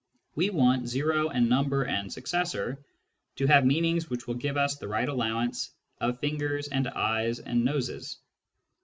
We want " o " and " number " and " successor " to have meanings which will give us the right allowance of fingers and eyes and noses.